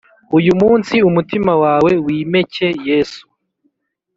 Uyu munsi umutima wawe wimeke Yesu